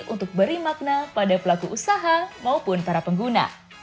untuk beri makna pada pelaku usaha maupun para pengguna